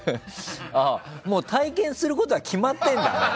もう体験することは決まってるんだ。